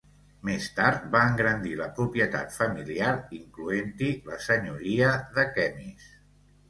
Més tard va engrandir la propietat familiar, incloent-hi la senyoria de Kemys.